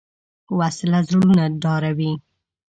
وسله زړونه ډاروي